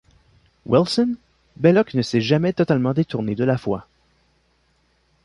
Wilson, Belloc ne s'est jamais totalement détourné de la foi.